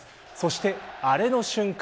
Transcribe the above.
そしてアレの瞬間